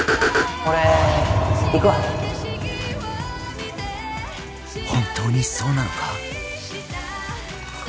俺行くわ本当にそうなのか？